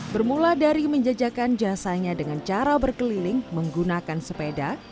bermula dari menjajakan jasanya dengan cara berkeliling menggunakan sepeda